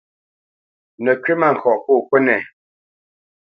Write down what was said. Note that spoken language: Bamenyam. Nə̌ kywítmâŋkɔʼ pô kúnɛ.